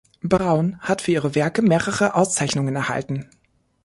Braun hat für ihre Werke mehrere Auszeichnungen erhalten.